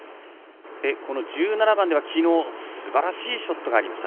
１７番ではきのうすばらしいショットがありました。